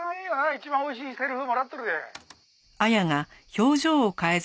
一番おいしいセリフもらっとるで」